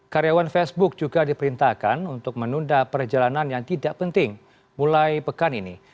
karyawan facebook juga diperintahkan untuk menunda perjalanan yang tidak penting mulai pekan ini